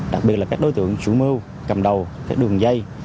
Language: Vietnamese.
đặc biệt là các đối tượng chủ mưu cầm đầu đường dây